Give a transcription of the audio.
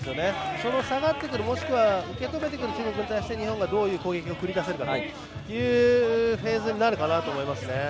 その下がってくる、もしくは受け止めてくる中国に対して日本がどういう攻撃を繰り出せるかというフェーズになるかなと思いますね。